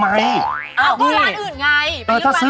มันเป็นอะไร